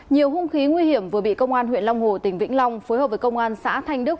nhiều hung khí nguy hiểm vừa bị công an huyện long hồ tỉnh vĩnh long phối hợp với công an xã thanh đức